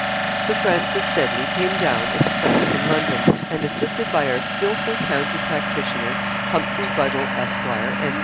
Sir Francis Seddley came down express from London, and assisted by our skilful county practitioner, Humphrey Buddle, Esq., M.